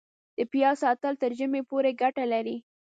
د پیاز ساتل تر ژمي پورې ګټه لري؟